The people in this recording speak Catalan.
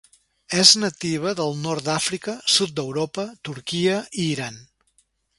És nativa del nord d'Àfrica, sud d'Europa, Turquia i Iran.